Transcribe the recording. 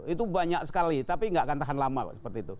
itu banyak sekali tapi nggak akan tahan lama pak seperti itu